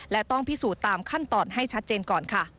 และต้องพิสูจน์ตามขั้นตอนให้ชัดเจนก่อนค่ะ